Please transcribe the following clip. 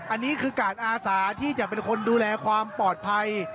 อันนี้คือการอาสาที่จะเป็นคนดูแลความปลอดภัย